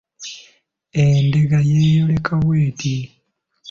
Endeega yeeyoleka bw’eti: